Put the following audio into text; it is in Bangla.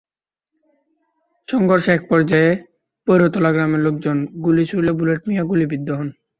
সংঘর্ষের একপর্যায়ে পৈরতলা গ্রামের লোকজন গুলি ছুড়লে বুলেট মিয়া গুলিবিদ্ধ হন।